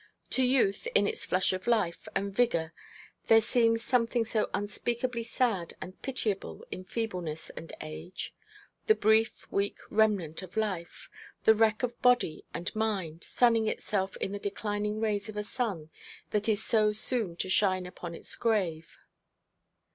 To youth in its flush of life and vigour there seems something so unspeakably sad and pitiable in feebleness and age the brief weak remnant of life, the wreck of body and mind, sunning itself in the declining rays of a sun that is so soon to shine upon its grave.